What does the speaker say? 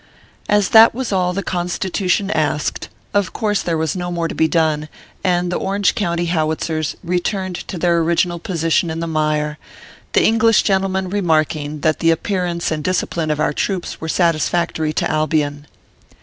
As that was all the Constitution asked, of course there was no more to be done, and the Orange County Howitzers returned to their original position in the mire, the English gentlemen remarking that the ap pearance and discipline of our troops were satisfac tory to Albion.